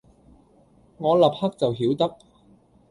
我立刻就曉得，